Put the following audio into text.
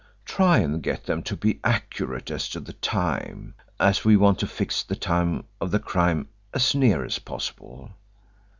Try and get them to be accurate as to the time, as we want to fix the time of the crime as near as possible.